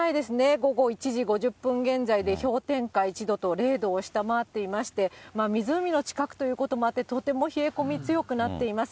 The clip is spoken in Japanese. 午後１時５０分現在で氷点下１度と、０度を下回っていまして、湖の近くということもあって、とても冷え込み強くなっています。